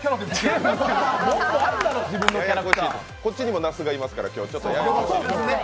こっちにも那須がいますから今日はややこしいですね。